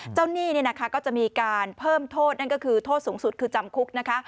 เจ้าหนี้ก็จะมีการเพิ่มโทษนั่นก็คือโทษสูงสุดคือจำคุก